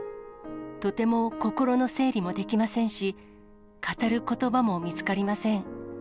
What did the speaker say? とても心の整理もできませんし、語ることばも見つかりません。